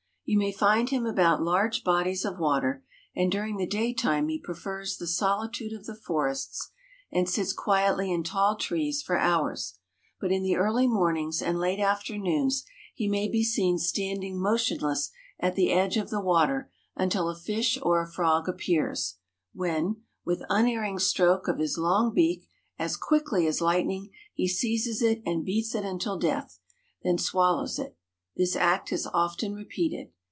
You may find him about large bodies of water, and during the daytime he prefers the solitude of the forests and sits quietly in tall trees for hours, but in the early mornings and late afternoons he may be seen standing motionless at the edge of the water until a fish or a frog appears, when, with unerring stroke of his long beak, as quickly as lightning, he seizes it and beats it until dead, then swallows it; this act is often repeated.